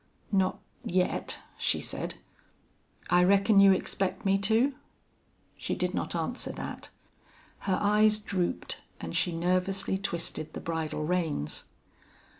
"Not yet," she said. "I reckon you expect me to?" She did not answer that. Her eyes drooped, and she nervously twisted the bridle reins.